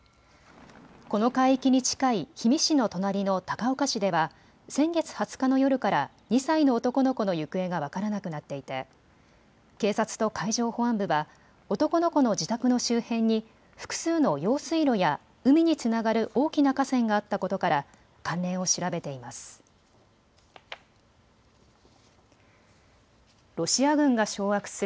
この海域に近い氷見市の隣の高岡市では先月２０日の夜から２歳の男の子の行方が分からなくなっていて警察と海上保安部は男の子の自宅の周辺に複数の用水路や海につながる大きな河川があったことから関連を調べています。